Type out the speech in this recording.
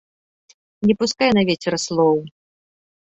Не пускай на вецер слоў.